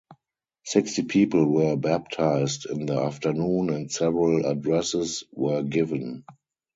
Sixty people were baptized in the afternoon, and several addresses were given.